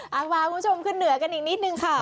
เอาพาคุณผู้ชมขึ้นเหนือกันอีกนิดนึงค่ะ